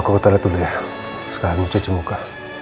aku ke toilet dulu ya sekarang cuci muka